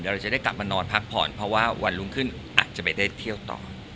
เราจะได้กลับมานอนพักผ่อนเพราะว่าวันรุ่งขึ้นอาจจะไปได้เที่ยวต่อ